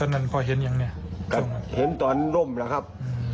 เห็นตอนร่มหรือครับ